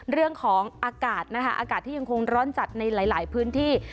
เรื่องของอากาศนะคะอากาศที่ยังคงร้อนจัดในหลายพื้นที่